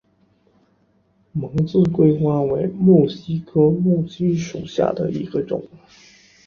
蒙自桂花为木犀科木犀属下的一个种。